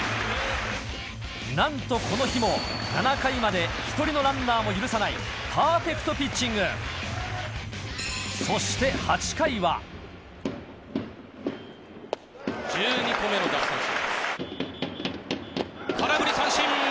なんとこの日も７回まで１人のランナーも許さないパーフェクトピッチングそしてが続いています。